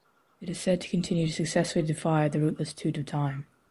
It is said to continue to successfully defy the ruthless tooth of time.